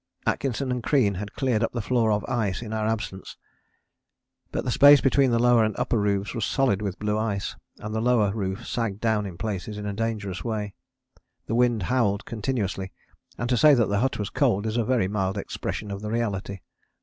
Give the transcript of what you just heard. Atkinson and Crean had cleared the floor of ice in our absence, but the space between the lower and upper roofs was solid with blue ice, and the lower roof sagged down in places in a dangerous way. The wind howled continuously and to say that the hut was cold is a very mild expression of the reality.